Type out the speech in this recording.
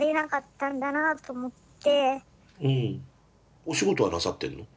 お仕事はなさってるの？